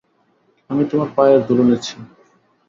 আমি তোমার পায়ের ধুলো নিচ্ছি।